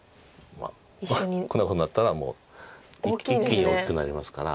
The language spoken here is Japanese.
こんなことになったらもう一気に大きくなりますから。